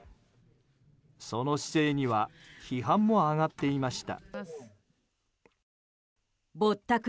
その姿勢には批判も上がっていました。